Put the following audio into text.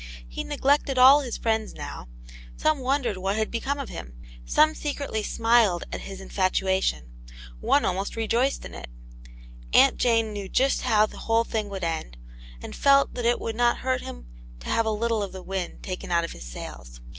He neglected iall his friends now; some wondered what had become of him, some secretly smiled at his infatuation; one almost rejoiced in it; Aunt Jane knew just how the whole thing would end, and felt that it would not hurt him to have a little of the wind taken out of his sails.